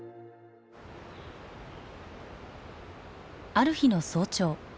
ある日の早朝。